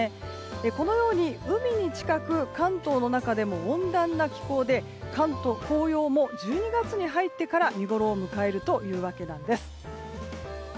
このように海に近く関東の中でも温暖な気候で関東の紅葉も１２月に入ってから見ごろを迎えるというわけです。